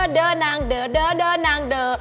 เดอร์นางเดอร์เดอร์เดอร์นางเดอร์